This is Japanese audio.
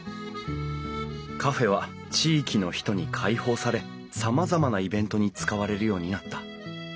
カフェは地域の人に開放されさまざまなイベントに使われるようになった。